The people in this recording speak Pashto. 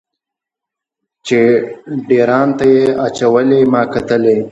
چې ډیر ان ته یې اچولې ما کتلی.